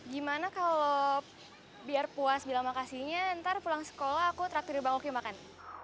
gimana kalau biar puas bilang makasihnya ntar pulang sekolah aku terakhir bang oki makan